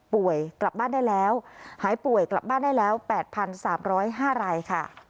ป่วยกลับบ้านได้แล้วหายป่วยกลับบ้านได้แล้วแปดพันสามร้อยห้าไรค่ะ